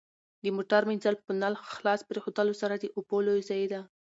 د موټر مینځل په نل خلاص پرېښودلو سره د اوبو لوی ضایع ده.